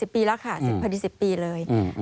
ปีแล้วค่ะ๑๐พอดี๑๐ปีเลย